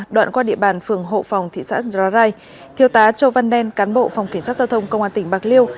đoạn qua địa bàn phường hộ phòng thị xã gia rai thiêu tá châu văn nen cán bộ phòng cảnh sát giao thông công an tỉnh bạc liêu